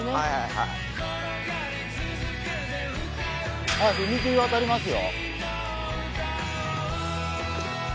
はい踏切渡りますよ。